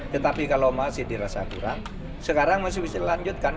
tetapi kalau masih dirasa kurang sekarang masih bisa dilanjutkan